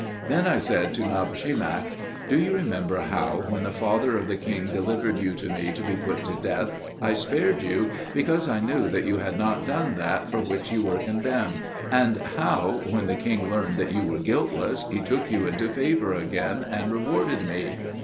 Then I said to Nabushemak, "Do you remember how, when the father of the king delivered you to me to be put to death, I spared you because I knew that you had not done that for which you were condemned; and how, when the king learned that you were guiltless, he took you into favour again, and rewarded me?